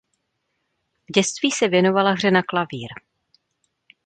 V dětství se věnovala hře na klavír.